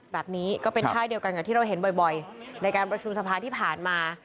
แบบนี้ก็เป็นค่ายเดียวกันกับที่เราเห็นบ่อยในการประชุมสภาที่ผ่านมา